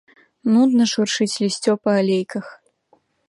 Нудна шуршыць лісцё па алейках.